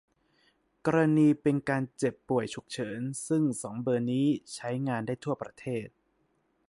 กรณีเป็นการเจ็บ ป่วย ฉุกเฉิน ซึ่ง สอง เบอร์นี้ใช้งานได้ทั่วประเทศ